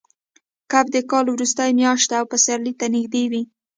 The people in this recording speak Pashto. کب د کال وروستۍ میاشت ده او پسرلي ته نږدې وي.